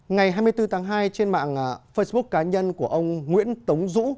ngày hai mươi bốn tháng hai trên mạng facebook cá nhân của ông nguyễn tống dũ